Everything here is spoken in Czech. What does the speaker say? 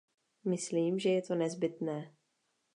Myslím, že je to nezbytné.